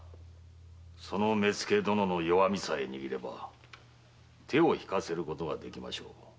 その目付殿の弱みさえ握れば手を引かせることができましょう。